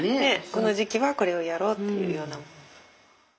この時期はこれをやろうっていうような。